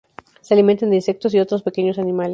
Se alimentan de insectos y otros pequeños animales.